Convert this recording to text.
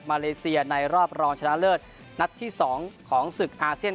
มาเลซียาในรอบรองนัดที่๒ของศึกเอาเซียน